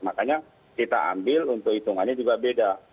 makanya kita ambil untuk hitungannya juga beda